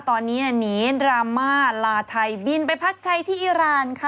ตอนนี้หนีดราม่าลาไทยบินไปพักไทยที่อิราณค่ะ